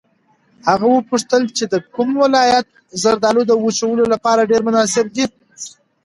هغه وپوښتل چې د کوم ولایت زردالو د وچولو لپاره ډېر مناسب دي.